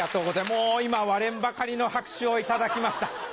もう今割れんばかりの拍手をいただきました。